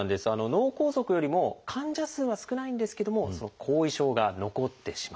脳梗塞よりも患者数は少ないんですけどもその後遺症が残ってしまう。